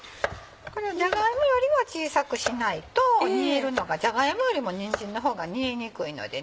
これをじゃが芋よりは小さくしないと煮えるのがじゃが芋よりもにんじんの方が煮えにくいので。